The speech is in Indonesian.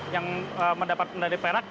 yang mendapat medali perak